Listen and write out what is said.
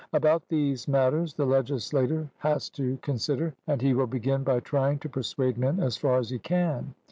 About these matters the legislator has to consider, and he will begin by trying to persuade men as far as he can.